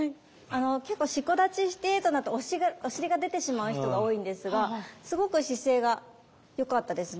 結構四股立ちしてとなってお尻が出てしまう人が多いんですがすごく姿勢が良かったです。